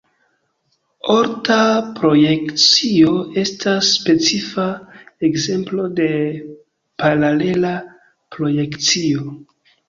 Orta projekcio estas specifa ekzemplo de paralela projekcio.